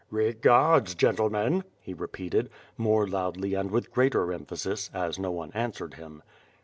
"Begards, gentlemen," he repeated, more loudly and with greater emphasis, as no one answered him.